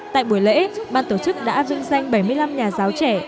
tại buổi lễ ban tổ chức đã dựng danh bảy mươi năm nhà giáo trẻ